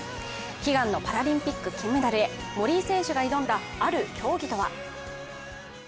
悲願のパラリンピック金メダルへ森井選手が挑んだある競技とは。